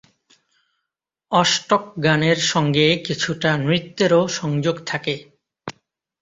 অষ্টকগানের সঙ্গে কিছুটা নৃত্যেরও সংযোগ থাকে।